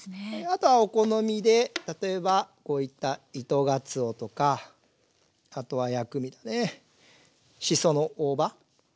あとはお好みで例えばこういった糸がつおとかあとは薬味のねしその大葉。